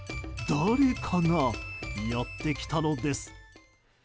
誰かがやってきたのです。